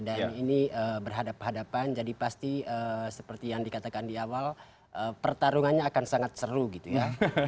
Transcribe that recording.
dan ini berhadapan hadapan jadi pasti seperti yang dikatakan di awal pertarungannya akan sangat seru gitu ya